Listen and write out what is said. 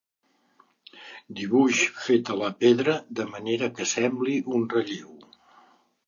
Dibuix fet a la pedra de manera que sembli un relleu.